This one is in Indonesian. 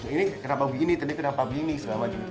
ini kenapa begini tadi kenapa begini segala macam